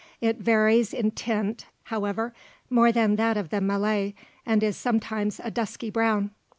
It varies in tint, however, more than that of the Malay, and is sometimes a dusky brown.